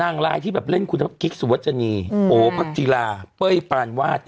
นางรายที่เล่นคุณภักดิ์คิกสุวรรษณีย์โหภักดิ์จีลาเป้ยปานวาด